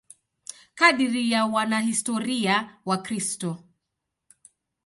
Kadiri ya wanahistoria Wakristo.